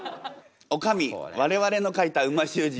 おかみ我々の書いた美味しゅう字